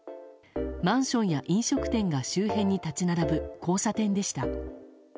マンションや飲食店が周辺に立ち並ぶ交差点でした。